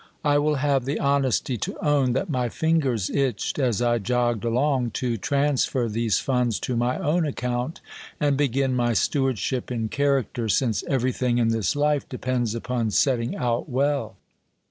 I will have the honesty to own, that my fingers itched as I jogged along, to transfer these funds to my own account, and begin my stewardship in character, since everything in this life depends upon setting out well.